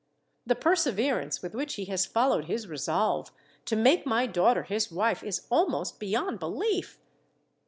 The perseverance with which he has followed his resolve, to make my daughter his wife, is almost beyond belief.